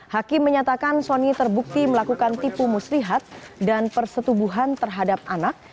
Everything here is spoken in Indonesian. hakim menyatakan sony terbukti melakukan tipu muslihat dan persetubuhan terhadap anak